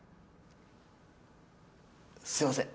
すいません。